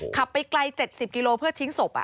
ไปไกล๗๐กิโลเพื่อทิ้งศพ